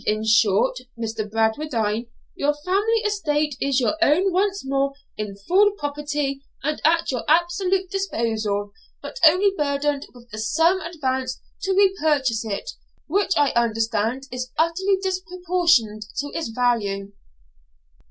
In short, Mr. Bradwardine, your family estate is your own once more in full property, and at your absolute disposal, but only burdened with the sum advanced to re purchase it, which I understand is utterly disproportioned to its value.'